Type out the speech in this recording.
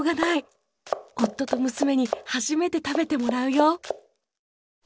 夫と娘に初めて食べてもらうよ！